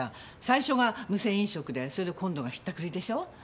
最初が無銭飲食で今度が引ったくりでしょ？